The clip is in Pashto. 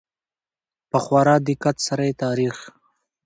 په خورا دقت سره يې تاريخ